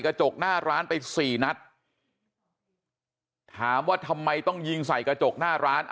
กระจกหน้าร้านไปสี่นัดถามว่าทำไมต้องยิงใส่กระจกหน้าร้าน